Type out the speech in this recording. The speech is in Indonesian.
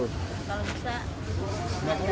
kalau bisa itu